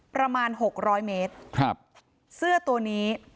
หกร้อยเมตรครับเสื้อตัวนี้